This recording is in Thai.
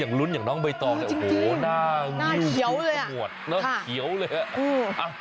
อย่างลุ้นอย่างน้องใบต่อโอ้โหหน้าเยี่ยวหน้าเขียวเลยอ่ะ